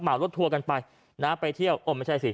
รถทัวร์กันไปนะไปเที่ยวโอ้ไม่ใช่สิ